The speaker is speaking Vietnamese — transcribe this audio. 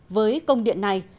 với công điện này